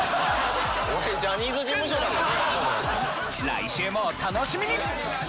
来週もお楽しみに！